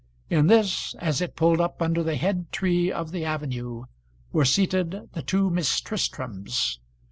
In this as it pulled up under the head tree of the avenue were seated the two Miss Tristrams.